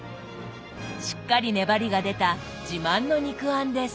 しっかり粘りが出た自慢の肉餡です。